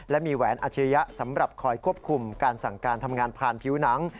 และมีแหวนอัจฉริยะสำหรับคอยควบคุมการสั่งการทำงานผ่านผิวหนัง